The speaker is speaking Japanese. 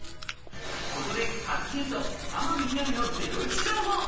ここで賀来賢人、浜辺美波のゼロイチ情報。